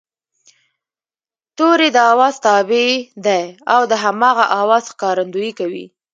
توری د آواز تابع دی او د هماغه آواز ښکارندويي کوي